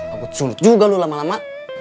agut sulit juga lo lama lama